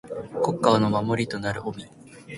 国家の守りとなる臣。